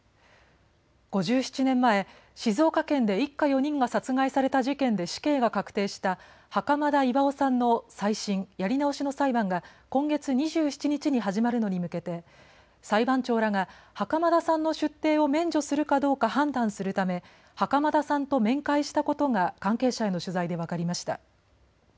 ５７年前、静岡県で一家４人が殺害された事件で死刑が確定した袴田巌さんの再審・やり直しの裁判が今月２７日に始まるのに向けて裁判長らが袴田さんの出廷を免除するかどうか判断するため袴田さんと面会したことが関係者への取材で分かりました。